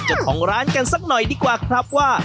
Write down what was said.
เจ้าของร้านกันสักหน่อยดีกว่าครับว่า